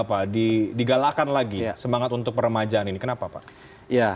jadi itu juga harus diatur oleh manajemen wadahnya